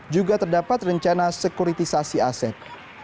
juga terdapat rencana sekuritisasi aset